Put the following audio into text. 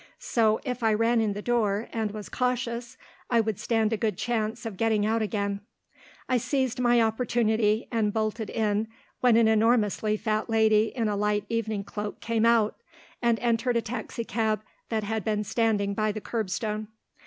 So, if I ran in the door, and was cautious, I would stand a good chance of getting out again. I seized my opportunity and bolted in when an enormously fat lady in a light evening cloak came out, and entered a taxi cab that had been standing by the curbstone.